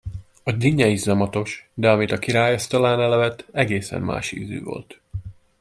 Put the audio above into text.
A dinnye is zamatos, de amit a király asztalánál evett, egészen más ízű volt.